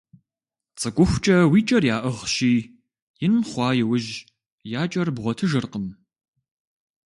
Цӏыкӏухукӏэ уи кӏэр яӏыгъщи, ин хъуа иужь я кӏэр бгъуэтыжыркъым.